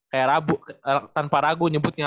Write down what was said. kayak tanpa ragu nyebutnya